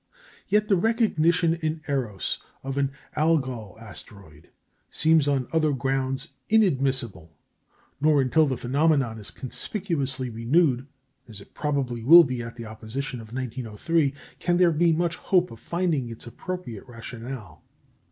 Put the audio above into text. Yet the recognition in Eros of an "Algol asteroid" seems on other grounds inadmissible; nor until the phenomenon is conspicuously renewed as it probably will be at the opposition of 1903 can there be much hope of finding its appropriate rationale.